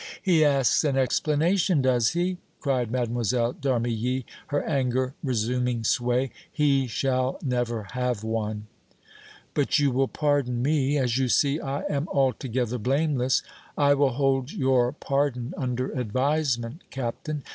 "He asks an explanation, does he?" cried Mlle. d' Armilly, her anger resuming sway. "He shall never have one!" "But you will pardon me, as you see I am altogether blameless?" "I will hold your pardon under advisement, Captain.